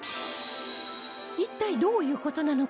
一体どういう事なのか？